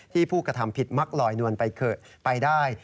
ที่ผู้กระทำผิดมักลอยนวนไปเกิดไปได้